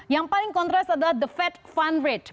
yang paling kontras adalah the fed fund rate